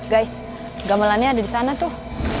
guys gamelannya ada di sana tuh